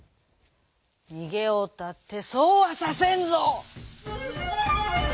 「にげようったってそうはさせんぞ」。